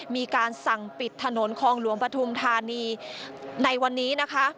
มีการสั่งปิดถนนคลองหลวงปฐุมธานีในวันนี้นะคะ